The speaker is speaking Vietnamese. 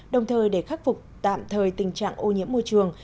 đồng thời để khắc phục tạm thời tình trạng ô nhiễm môi trường